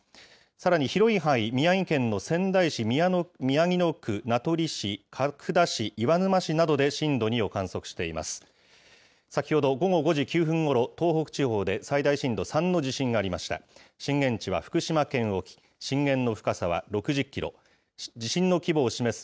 さらに広い範囲、宮城県の仙台市宮城野区、名取市、角田市、岩沼市などで震度２を観測しています。